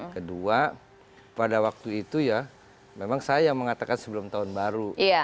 kedua pada waktu itu ya memang saya yang mengatakan sebelum tahun baru